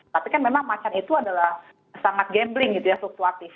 tapi kan memang macan itu adalah sangat gambling gitu ya fluktuatif